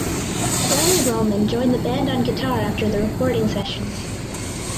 Danny Roman joined the band on guitar after the recording sessions.